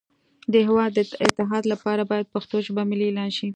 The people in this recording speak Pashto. د هیواد د اتحاد لپاره باید پښتو ژبه ملی اعلان شی